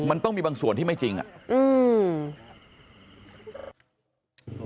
มันต้องมีบางส่วนที่ไม่จริงอ่ะอืม